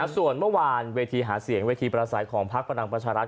ส่วนเมื่อวานเวทีหาเสียงเวทีประสัยของพักพลังประชารัฐ